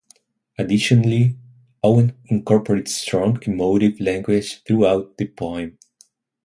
Additionally, Owen incorporates strong, emotive language throughout the poem.